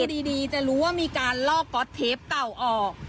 ดีจะรู้ว่ามีการลอกก๊อตเทปเก่าออก